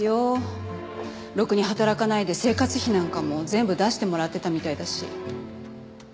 ろくに働かないで生活費なんかも全部出してもらってたみたいだし。